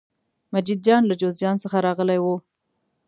مجید جان له جوزجان څخه راغلی و.